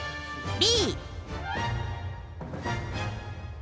Ｂ！